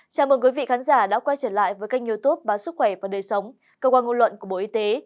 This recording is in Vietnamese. chào mừng quý vị khán giả đã quay trở lại với kênh youtube báo sức khỏe và đời sống cơ quan ngôn luận của bộ y tế